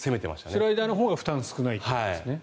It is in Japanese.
スライダーのほうが負担が少ないということですね。